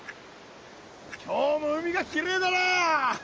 今日も海がきれいだな！